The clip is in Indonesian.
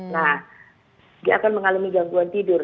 nah dia akan mengalami gangguan tidur